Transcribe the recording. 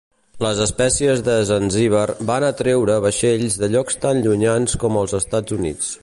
Les espècies de Zanzíbar van atreure vaixells de llocs tan llunyans com els Estats Units.